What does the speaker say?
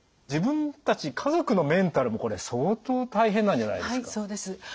自分たち家族のメンタルもこれ相当大変なんじゃないですか？